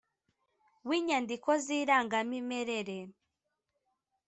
w inyandiko z irangamimerere